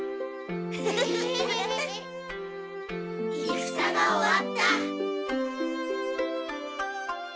いくさが終わった。